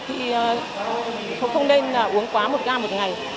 thì không nên uống quá một gram một ngày